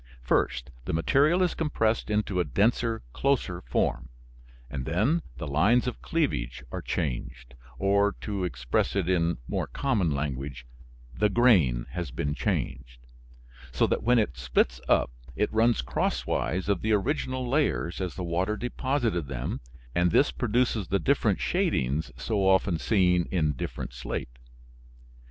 First, the material is compressed into a denser, closer form, and then, the lines of cleavage are changed, or to express it in more common language, the grain has been changed. So that when it splits up it runs crosswise of the original layers as the water deposited them, and this produces the different shadings so often seen in different slate.